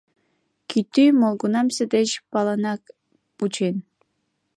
Кӱтӱ молгунамсе деч палынак пучен.